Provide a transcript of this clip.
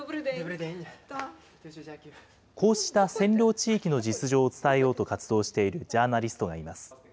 こうした占領地域の実情を伝えようと活動しているジャーナリストがいます。